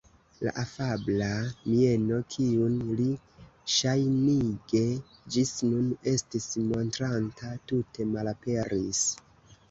La afabla mieno, kiun li ŝajnige ĝis nun estis montranta, tute malaperis.